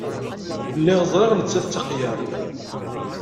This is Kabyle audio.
Lliɣ ẓriɣ nettat d taqyart!